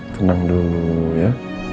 tenang dulu ya